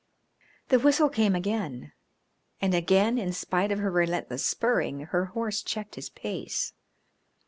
The whistle came again, and again, in spite of her relentless spurring, her horse checked his pace.